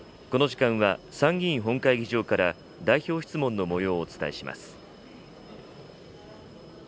この時間は、参議院本会議場から代表質問のもようをお伝えします。